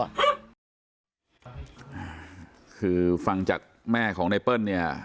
อ่าคือฟังจากแม่ของไนเปิ้ลเนี่ย